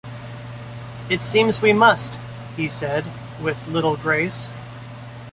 "It seems we 'must,'" he said, with little grace.